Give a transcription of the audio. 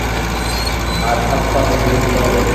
আর হাত পা ভেঙে দিতে হবে।